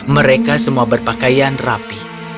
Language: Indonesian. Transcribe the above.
mereka semua berpakaian rapi